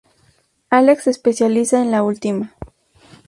Alex se especializa en la última.